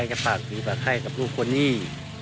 ไอ้กะปากดีกว่าให้กับลูกคนนี้